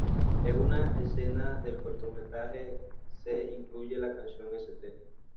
En una escena del cortometraje se incluye la canción "St.